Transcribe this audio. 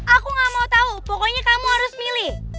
aku gak mau tahu pokoknya kamu harus milih